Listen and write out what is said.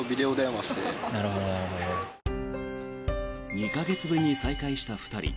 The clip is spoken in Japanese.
２か月ぶりに再会した２人。